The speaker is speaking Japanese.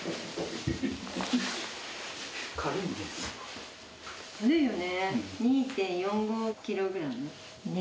軽いよね。